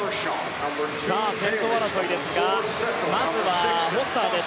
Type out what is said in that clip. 先頭争いですがまずはフォスターです。